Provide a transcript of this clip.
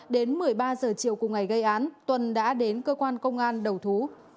đến một mươi ba h chiều cùng ngày gây án tuân đã đến cơ quan công an đầu thú